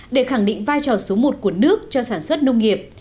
để khẳng định vai trò số một của nước cho sản xuất nông nghiệp